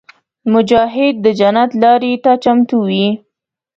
مجاهد د جنت لارې ته چمتو وي.